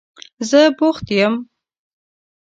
زه بوخت یم.